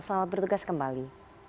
selamat bertugas kembali